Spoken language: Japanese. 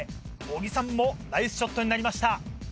小木さんもナイスショットになりました。